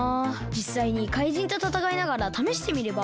じっさいにかいじんとたたかいながらためしてみれば？